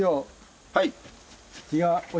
はい。